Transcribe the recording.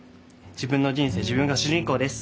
自分の人生自分が主人公です。